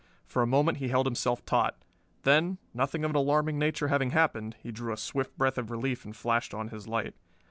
For a moment he held himself taut; then, nothing of an alarming nature having happened, he drew a swift breath of relief and flashed on his light.